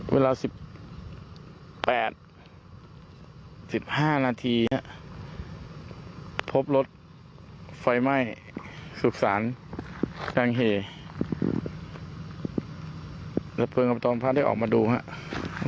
เวลาสิบแปดสิบห้านาทีพบรถไฟไหม้สุขศาลแห่งเหแต่เฟิร์นกับตรงพระได้ออกมาดูครับ